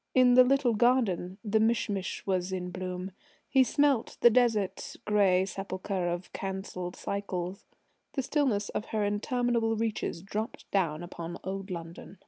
In the little gardens the mish mish was in bloom.... He smelt the Desert ... grey sepulchre of cancelled cycles.... The stillness of her interminable reaches dropped down upon old London....